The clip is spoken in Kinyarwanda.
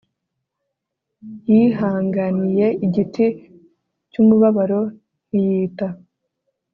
yihanganiye igiti cy umubabaro ntiyita